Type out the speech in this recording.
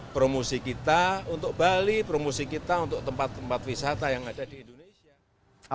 promosi kita untuk bali promosi kita untuk tempat tempat wisata yang ada di indonesia